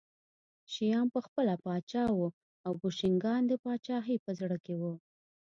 شیام پخپله پاچا و او بوشنګان د پاچاهۍ په زړه کې وو